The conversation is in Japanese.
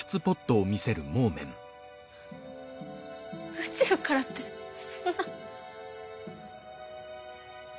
宇宙からってそんな。